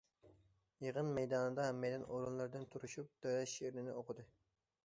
يىغىن مەيدانىدا ھەممەيلەن ئورۇنلىرىدىن تۇرۇشۇپ دۆلەت شېئىرىنى ئوقۇدى.